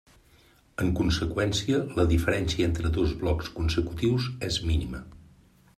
En conseqüència la diferència entre dos blocs consecutius és mínima.